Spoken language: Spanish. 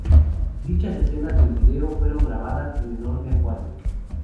Dichas escenas del vídeo fueron grabadas en enorme acuario.